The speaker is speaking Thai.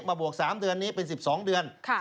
บวก๓เดือนนี้เป็น๑๒เดือน